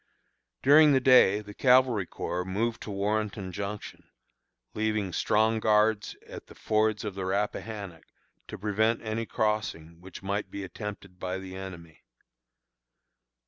During the day the Cavalry Corps moved to Warrenton Junction, leaving strong guards at the fords of the Rappahannock to prevent any crossing which might be attempted by the enemy.